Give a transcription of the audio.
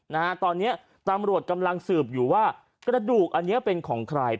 นะฮะตอนเนี้ยตำรวจกำลังสืบอยู่ว่ากระดูกอันนี้เป็นของใคร